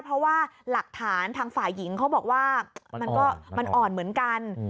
เพราะว่าหลักฐานทางฝ่ายหญิงเขาบอกว่ามันก็มันอ่อนเหมือนกัน